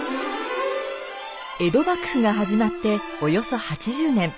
江戸幕府が始まっておよそ８０年。